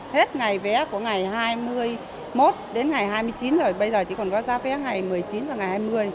hết ngày vé của ngày hai mươi một đến ngày hai mươi chín rồi bây giờ chỉ còn có ra vé ngày một mươi chín và ngày hai mươi